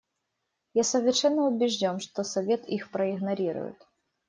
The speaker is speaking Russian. Я совершенно убежден, что Совет их проигнорирует.